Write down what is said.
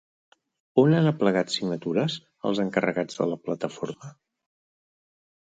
On han aplegat signatures, els encarregats de la Plataforma?